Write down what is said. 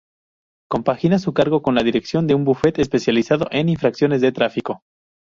Compagina su cargo con la dirección de un bufete especializado en infracciones de tráfico.